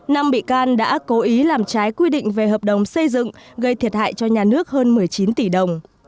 năm bị can đã cố ý làm trái quy định về hợp đồng xây dựng gây thiệt hại cho nhà nước hơn một mươi chín tỷ đồng